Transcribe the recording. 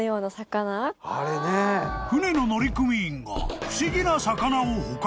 ［船の乗組員が不思議な魚を捕獲］